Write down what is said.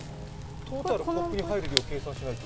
トータル、コップに入る量を計算しないと。